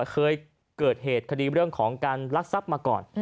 เคยเกิดเหตุคดีเรื่องของการลักทรัพย์มาก่อน